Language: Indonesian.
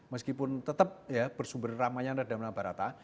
meskipun tetap bersumber ramai yang ada di barata